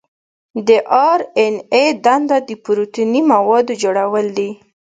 د آر این اې دنده د پروتیني موادو جوړول دي.